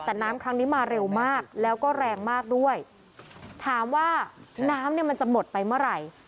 แต่น้ำครั้งนี้มาเร็วมากแล้วก็แรงมากด้วยถามว่าน้ำเนี่ยมันจะหมดไปเมื่อไหร่